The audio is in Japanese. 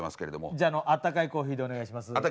じゃああったかいコーヒーでお願いします。